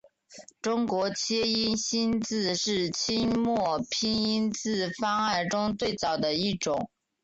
中国切音新字是清末拼音字方案中最早的一种。